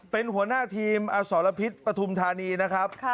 เป็นหัวหน้าทีมอสรพิษปฐุมธานีนะครับ